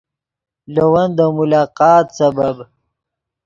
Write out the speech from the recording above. لے ون دے ملاقات سبب